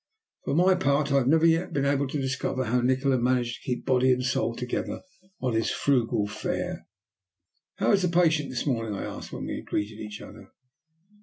For my part I have never yet been able to discover how Nikola managed to keep body and soul together on his frugal fare. "How is the patient this morning?" I asked, when we had greeted each other.